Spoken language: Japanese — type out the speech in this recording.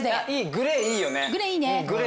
グレーいいね。